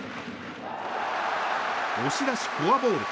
押し出しフォアボール。